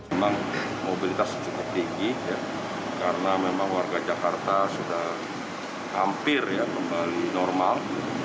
memang mobilitas cukup tinggi karena memang warga jakarta sudah hampir kembali normal